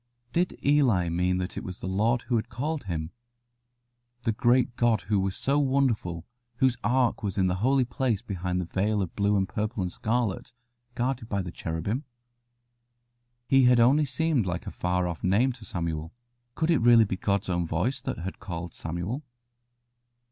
Did Eli mean that it was the Lord who had called him? The great God who was so wonderful, whose Ark was in the Holy Place behind the veil of blue and purple and scarlet, guarded by cherubim? He had only seemed like a far off name to Samuel. Could it really be God's own voice that had called Samuel?